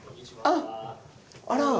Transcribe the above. あっあら。